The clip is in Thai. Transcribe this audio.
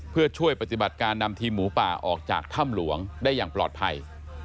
เพื่อช่วยปฏิบัติการนำทีมหมูป่าออกจากถ้ำหลวงได้อย่างปลอดภัย